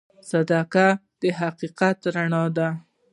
صداقت د حقیقت رڼا ده.